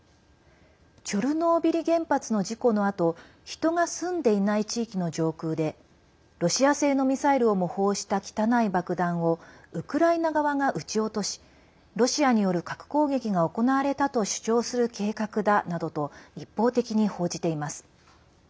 チョルノービリ原発の事故のあと人が住んでいない地域の上空でロシア製のミサイルを模倣した汚い爆弾をウクライナ側が撃ち落としロシアによる核攻撃が行われたと主張する計画だなどと一方的に報じています。